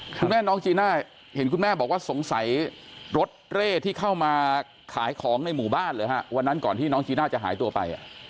คุณแม่น้องจีน่าเห็นคุณแม่บอกว่าสงสัยรถเร่ที่เข้ามาขายของในหมู่บ้านเหรอฮะวันนั้นก่อนที่น้องจีน่าจะหายตัวไป